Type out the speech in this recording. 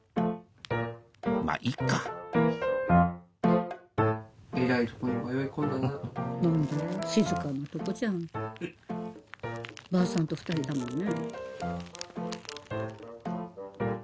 まぁいっかばあさんと２人だもんね。